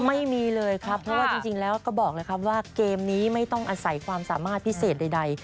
ไม่มีเลยครับเพราะว่าจริงแล้วก็บอกเลยครับว่าเกมนี้ไม่ต้องอาศัยความสามารถพิเศษใด